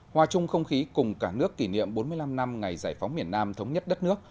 hòa chung không khí cùng cả nước kỷ niệm bốn mươi năm năm ngày giải phóng miền nam thống nhất đất nước